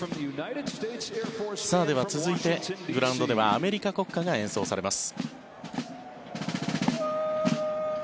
では続いて、グラウンドではアメリカ国歌が演奏されます。